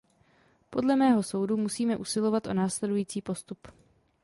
Podle mého soudu musíme usilovat o následující postup.